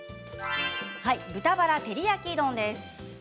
豚バラ照り焼き丼です。